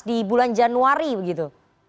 di bulan januari begitu